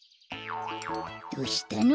どしたの？